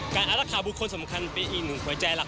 อารักษาบุคคลสำคัญเป็นอีกหนึ่งหัวใจหลัก